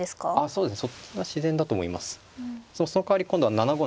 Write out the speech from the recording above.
そうですね。